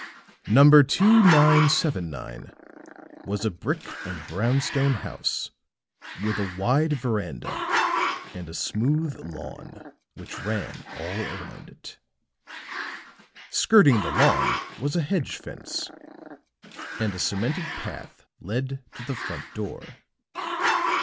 Number 2979 was a brick and brown stone house with a wide veranda and a smooth lawn which ran all around it. Skirting the lawn was a hedge fence; and a cemented path led to the front door.